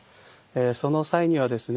その際にはですね